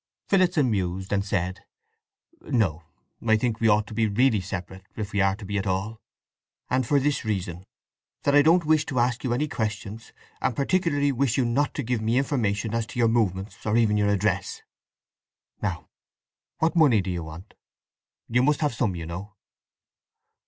Phillotson mused, and said: "No, I think we ought to be really separate, if we are to be at all. And for this reason, that I don't wish to ask you any questions, and particularly wish you not to give me information as to your movements, or even your address… Now, what money do you want? You must have some, you know."